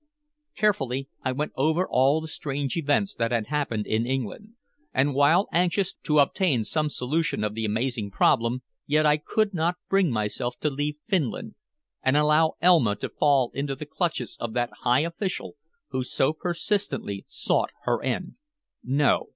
Carefully I went over all the strange events that had happened in England, and while anxious to obtain some solution of the amazing problem, yet I could not bring myself to leave Finland, and allow Elma to fall into the clutches of that high official who so persistently sought her end. No.